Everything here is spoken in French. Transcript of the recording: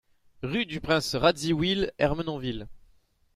Rue du Prince Radziwill, Ermenonville